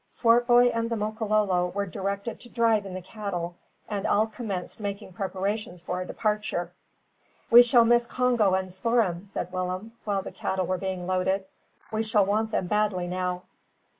Swartboy and the Makololo were directed to drive in the cattle, and all commenced making preparations for a departure. "We shall miss Congo and Spoor'em," said Willem, while the cattle were being loaded. "We shall want them badly now."